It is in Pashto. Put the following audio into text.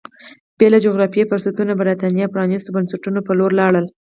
بې له جغرافیوي فرضیو برېټانیا پرانېستو بنسټونو په لور لاړل